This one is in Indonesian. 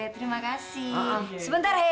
terima kasih sebentar ya